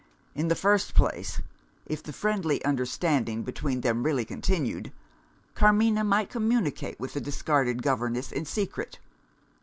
In the first place (if the friendly understanding between them really continued) Carmina might communicate with the discarded governess in secret.